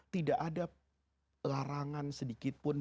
tidak ada larangan sedikit pun